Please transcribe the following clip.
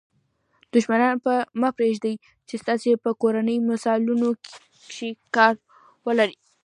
دوښمن مه پرېږدئ، چي ستاسي په کورنۍ مسائلو کښي کار ولري.